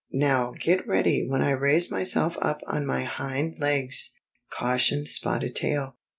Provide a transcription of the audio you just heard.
"Now get ready when I raise myself up on my hind legs!" cautioned Spotted Tail.